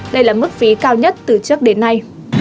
đây là mức phí cao nhất từ trước đến nay